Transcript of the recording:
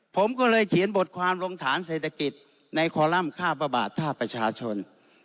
ผมก็เลยเขียนบทความลงฐานเศรษฐกิจในคอลัมป์ค่าพระบาทท่าประชาชน